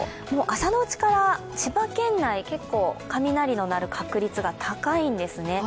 朝のうちから千葉県内、結構雷の鳴る確率が高いんですね。